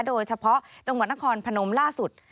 โดยเฉพาะจังหวัดนครพนมล่าสุด